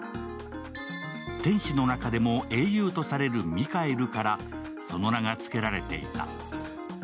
天使の中でも英雄とされるミカエルからその名がつけられていた。